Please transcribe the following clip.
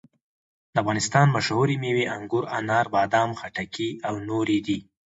د افغانستان مشهورې مېوې انګور، انار، بادام، خټکي او نورې دي.